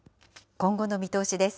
今後の見通しです。